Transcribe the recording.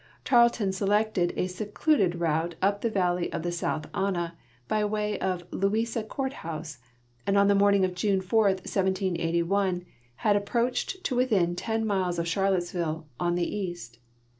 Tarleton selected a secluded route up the valley of the South Anna by way of Louisa court house, and on the morning of June 4, 1781, had approached to within ten miles of Charlottesville on the east.